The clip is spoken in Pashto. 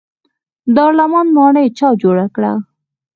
دارالامان ماڼۍ چا جوړه کړه؟